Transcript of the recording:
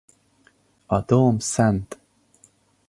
A dóm Szt.